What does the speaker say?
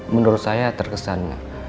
menurut saya terkesan